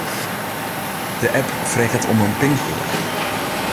De app freget om in pinkoade.